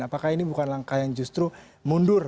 apakah ini bukan langkah yang justru mundur